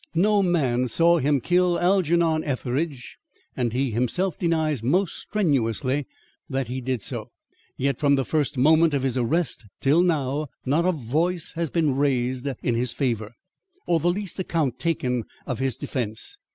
No man saw him kill Algernon Etheridge, and he himself denies most strenuously that he did so, yet from the first moment of his arrest till now, not a voice has been raised in his favour, or the least account taken of his defence.